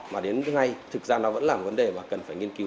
mà đến ngay thực ra nó vẫn là một vấn đề mà cần phải nghiên cứu